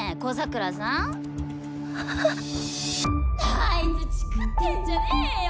あいつチクってんじゃねよ！